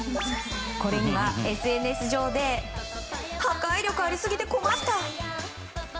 これには、ＳＮＳ上で破壊力ありすぎて困った。